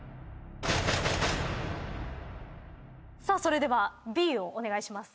それではＢをお願いします。